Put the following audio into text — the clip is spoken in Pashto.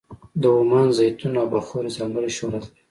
د عمان زیتون او بخور ځانګړی شهرت لري.